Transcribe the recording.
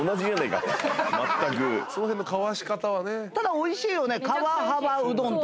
ただおいしいよね。